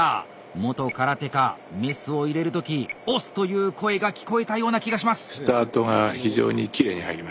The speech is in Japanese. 元空手家メスを入れる時「押忍！」というような声が聞こえたような気がします。